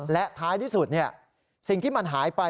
และท้ายที่สุดสิ่งที่มันหายไป